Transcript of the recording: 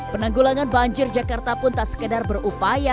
penanggulangan banjir jakarta pun tak sekedar berupaya